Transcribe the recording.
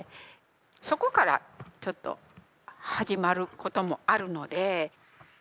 そこからちょっと始まることもあるので。